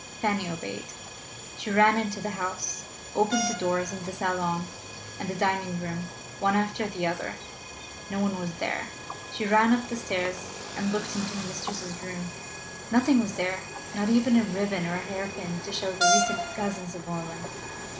Fanny obeyed. She ran into the house, opened the doors of the salon and the dining room one after the other: no one was there. She ran up the stairs and looked into her mistress's room: nothing was there, not even a ribbon or a hair pin, to show the recent presence of a woman.